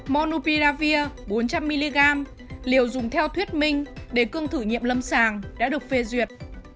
monupiravir bốn trăm linh mg liều dùng theo thuyết minh để cương thử nghiệm lâm sàng đã được phê duyệt